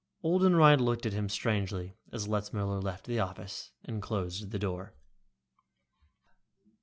Oldenreid looked at him strangely as Letzmiller left the office and closed the door.